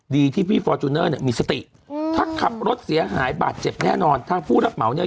ดีที่พี่เนอะมีสติอืมถ้าขับรถเสียหายบาดเจ็บแน่นอนทางผู้รับเหมาเนี่ย